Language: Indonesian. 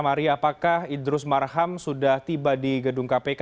maria apakah idrus marham sudah tiba di gedung kpk